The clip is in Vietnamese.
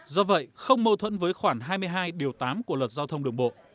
do vậy không mâu thuẫn với khoảng hai mươi hai điều tám của luật giao thông đường bộ